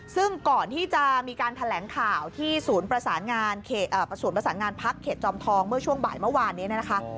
ซึ่งก่อนที่จะมีการแถลงข่าวที่สูญประสานงานภักดิ์เขตจอมทองเมื่อช่วงบ่ายเมื่อวานนี้นะคะ